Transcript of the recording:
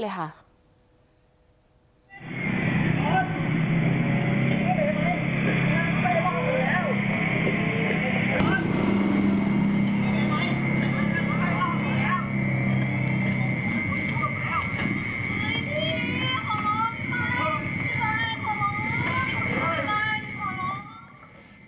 ไล่สล็อคไล่ขอร้องไล่ขอร้อง